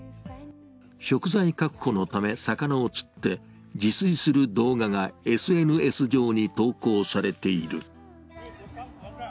食材確保のため、魚を釣って自炊する動画がＳＮＳ上に投稿されている。